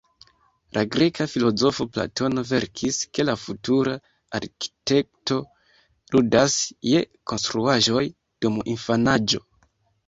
La greka filozofo Platono verkis, ke la futura arkitekto ludas je konstruaĵoj dum infanaĝo.